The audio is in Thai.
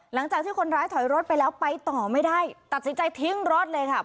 หลังจากที่คนร้ายถอยรถไปแล้วไปต่อไม่ได้ตัดสินใจทิ้งรถเลยค่ะ